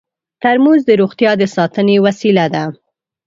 ترموز د روغتیا د ساتنې وسیله ده.